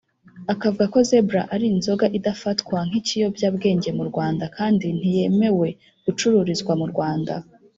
Akavuga ko Zebra ari inzoga idafatwa nk’ikiyobyabwenge mu Rwanda kandi ntiyemewe gucururizwa mu Rwanda